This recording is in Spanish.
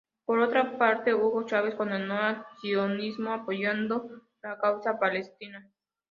Por otra parte Hugo Chávez condenó el sionismo, apoyando la causa palestina.